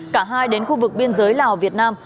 cả hai đến khu vực biên giới lào việt nam